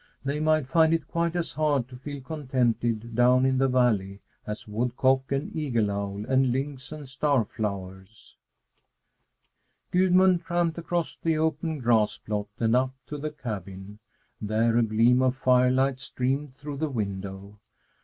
They might find it quite as hard to feel contented down in the valley as woodcock and eagle owl and lynx and star flowers. Gudmund tramped across the open grass plot and up to the cabin. There a gleam of firelight streamed through the window.